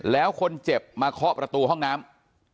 แล้วคนเจ็บมาเคาะประตูห้องน้ำ